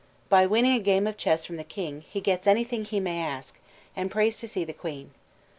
By winning a game of chess from the King, he gets anything he may ask, and prays to see the Queen.